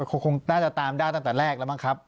คงน่าจะตามได้ตั้งแต่แรกแล้วมั้งครับ